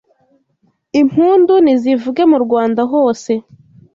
Impundu nizivuge mu Rwanda hose